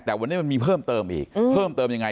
แต่วันนี้มันมีเพิ่มเติมอีกเพิ่มเติมยังไง